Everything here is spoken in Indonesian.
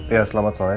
ya selamat sore